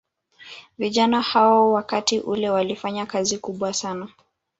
Vijana hao wakati ule walifanya kazi kubwa sana